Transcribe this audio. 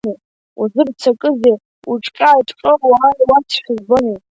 Узырццакызеи, уҿҟьа-ҿҟьо уааиуазшәа збонеи?